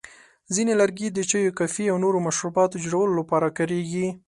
ځینې لرګي د چایو، کافي، او نورو مشروباتو جوړولو لپاره کارېږي.